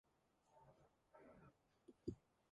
Одоо чи юу хүсэх вэ?